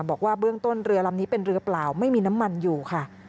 บอกว่าเบื้องต้นเรือลำนี้เป็นเรือเปล่าไม่มีน้ำมันอยู่ค่ะ